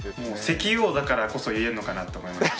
石油王だからこそ言えるのかなと思います。